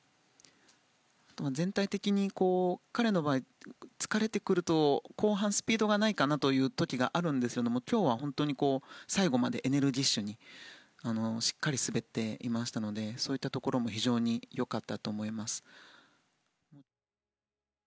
全体的に彼の場合疲れてくると後半スピードがないかなという時があるんですが今日は本当に最後までエネルギッシュにしっかり滑っていましたのでそういったところも非常に良かったと思います。